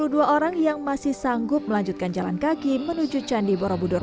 orang namun hanya tiga puluh dua orang yang masih sanggup melanjutkan jalan kaki menuju candi borobudur